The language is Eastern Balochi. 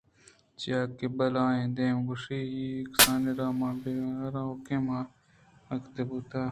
چیاکہ آبلائیں دیم گوٛش ءُ کسّ ءَ ر ا مان نہ آروکیں ماں مِیاتکے بوتگ